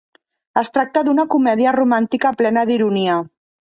Es tracta d'una comèdia romàntica plena d'ironia.